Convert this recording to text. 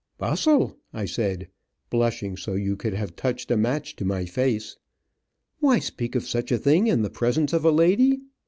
"Bustle," I said, blushing so you could have touched a match to my face. "Why speak of such a thing in the presence of a lady.